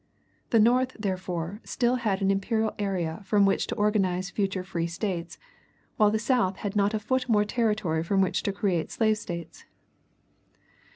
The North, therefore, still had an imperial area from which to organize future free States, while the South had not a foot more territory from which to create slave States.